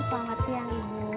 selamat siang ibu